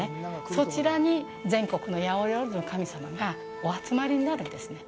そちらに全国の八百万の神様がお集まりになるんですね。